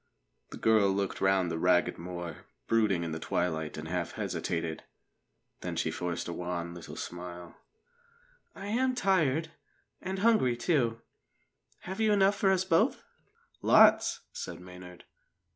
The girl looked round the ragged moor, brooding in the twilight, and half hesitated. Then she forced a wan little smile. "I am tired, and hungry, too. Have you enough for us both?" "Lots!" said Maynard.